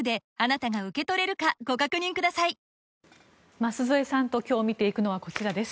舛添さんと今日見ていくのはこちらです。